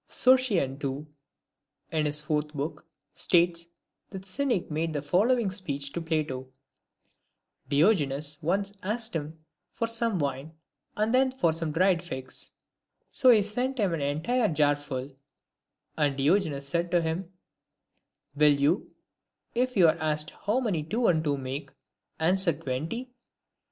Sotion too, in his fourth book, states, that the Cynic made the following speech to Plato : Diogenes once asked him for some wine, and then for some dried figs ; so he sent him an entire jar full ; and Diogenes said to him, " Will you, if you are asked how many two and two make, answer twenty